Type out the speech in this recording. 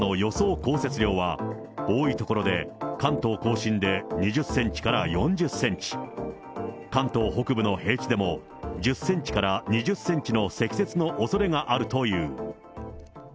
降雪量は、多い所で関東甲信で２０センチから４０センチ、関東北部の平地でも１０センチから２０センチの積雪のおそれがあるという。